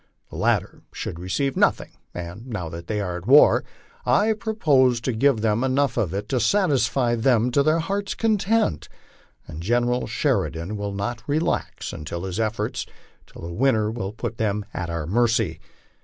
The latter should receive nothing, and now that they are at war, I propose to give them enough of it to satisfy them to their hearts' content, and General Sheridan will not relax his efforts till the winter will put them at our mercy.